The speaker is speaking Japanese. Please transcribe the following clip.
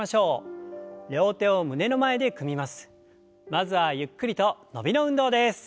まずはゆっくりと伸びの運動です。